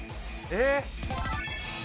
えっ！